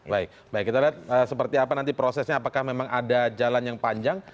baik baik kita lihat seperti apa nanti prosesnya apakah memang ada jalan yang panjang